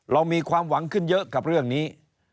เรามีความหวังขึ้นเยอะกับเรื่องนี้